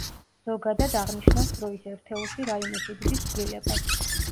ზოგადად აღნიშნავს დროის ერთეულში რაიმე სიდიდის ცვლილებას.